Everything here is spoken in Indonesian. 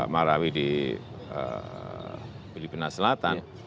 marawi di filipina selatan